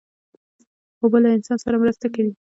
اوبه له انسان سره مرسته کوي.